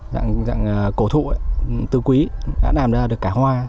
dạng cổ thụ từ quý đã làm ra được cả hoa